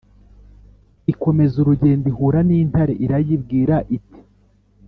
ikomeza urugendo ihura n’intare, irayibwira iti: